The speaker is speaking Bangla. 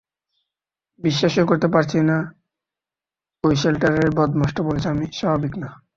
বিশ্বাসই করতে পারছি না ওই শেল্টারের বদমাশটা বলেছে আমি স্বাভাবিক না।